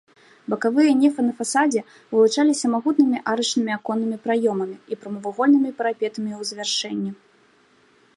Бакавыя нефы на фасадзе вылучаліся магутнымі арачнымі аконнымі праёмамі і прамавугольнымі парапетамі ў завяршэнні.